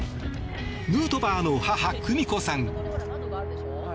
ヌートバーの母・久美子さん。